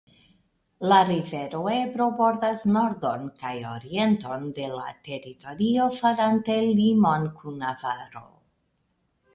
La rivero Ebro bordas nordon kaj orienton de la teritorio farante limon kun Navaro.